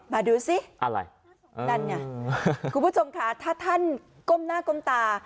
ดูสิอะไรนั่นไงคุณผู้ชมค่ะถ้าท่านก้มหน้าก้มตา